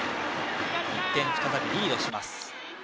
１点、再びリードします。